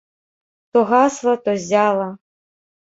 То гасла, то ззяла.